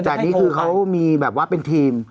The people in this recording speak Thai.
แต่อันนี้คือเขามีแบบว่าเป็นทีม